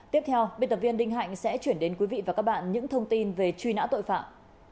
tiếp theo biên tập viên đinh hạnh sẽ chuyển đến quý vị và các bạn những thông tin về truy nã tội phạm